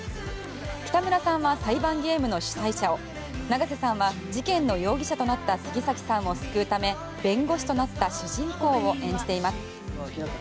北村さんは裁判ゲームの主催者を永瀬さんは事件の容疑者となった杉崎さんを救うため弁護士となった主人公を演じています。